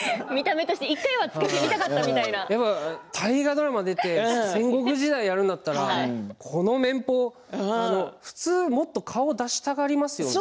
大河ドラマに出て戦国時代をやるんだったら普通は、もっと顔を出したがりますよね。